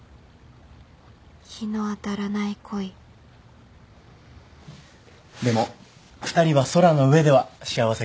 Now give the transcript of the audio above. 日の当たらない恋でも２人は空の上では幸せかもしれない。